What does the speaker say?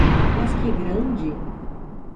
Mas que grande!